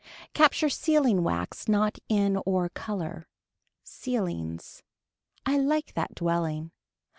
Capture sealing wax not in or color. Ceilings. I like that dwelling.